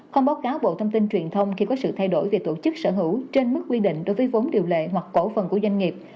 không báo cáo bộ thông tin truyền thông khi có sự thay đổi về tổ chức sở hữu trên mức quy định đối với vốn điều lệ hoặc cổ phần của doanh nghiệp